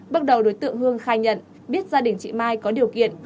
bước đầu đối tượng hương khai nhận biết gia đình chị mai có điều kiện